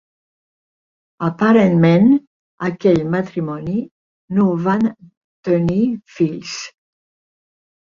Aparentment, aquell matrimoni no van tenir fills.